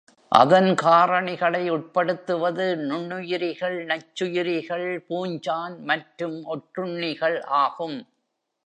அதன் காறணிகளை உட்படுத்துவது, நுண்ணுயிரிகள், நச்சுயிரிகள், பூஞ்சான், மற்றும் ஒட்டுண்ணிகள் ஆகும்.